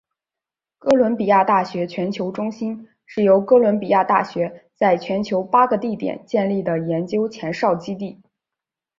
哥伦比亚大学全球中心是由哥伦比亚大学在全球八个地点建立的研究前哨基地。